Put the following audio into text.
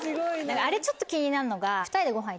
あれちょっと気になるのが。